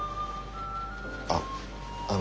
あっあの